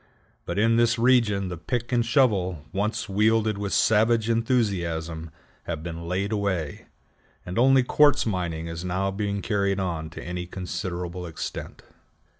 But in this region the pick and shovel, once wielded with savage enthusiasm, have been laid away, and only quartz mining is now being carried on to any considerable extent.